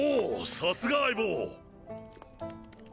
さすが相棒！